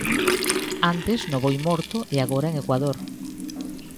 Antes no Boimorto e agora en Ecuador.